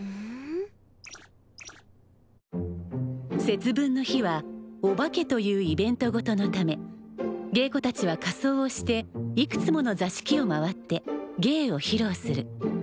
節分の日は「お化け」というイベントごとのため芸妓たちは仮装をしていくつもの座敷を回って芸を披露する。